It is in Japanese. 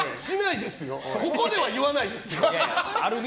ここでは言わないですよ。